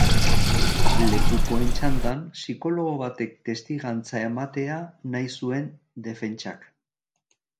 Lekukoen txandan, psikologo batek testigantza ematea nahi zuen defentsak.